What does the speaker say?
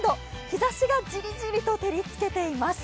日ざしがジリジリと照りつけています。